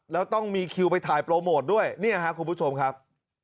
แล้วต้องมีคิวไปถ่ายโปรโมทด้วยเนี่ยครับคุณผู้ชมครับ